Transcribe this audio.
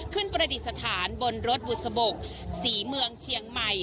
ประดิษฐานบนรถบุษบกศรีเมืองเชียงใหม่